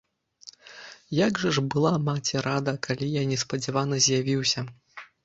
Як жа ж была маці рада, калі я неспадзявана з'явіўся!